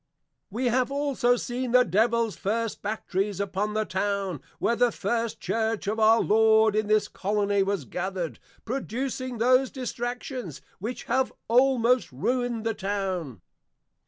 We have also seen the Devils first batteries upon the Town, where the first Church of our Lord in this Colony was gathered, producing those distractions, which have almost ruin'd the Town.